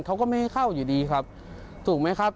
เขาก็ไม่ให้เข้าอยู่ดีครับถูกไหมครับ